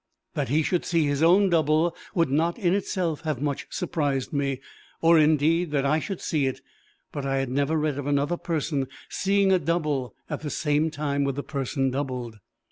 That he should see his own double would not in itself have much surprised me or, indeed, that I should see it; but I had never read of another person seeing a double at the same time with the person doubled.